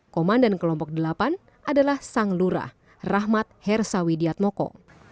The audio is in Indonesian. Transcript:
komandan kelompok delapan adalah sang lurah rahmat hersawidiatmoko